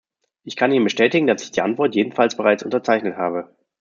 Ich kann Ihnen bestätigen, dass ich die Antwort jedenfalls bereits unterzeichnet habe.